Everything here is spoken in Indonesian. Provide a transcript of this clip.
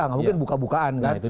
nggak mungkin buka bukaan kan